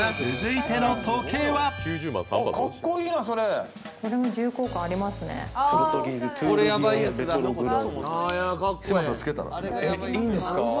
えっ、いいんですか？